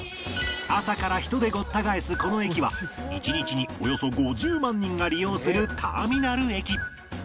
朝から人でごった返すこの駅は１日におよそ５０万人が利用するターミナル駅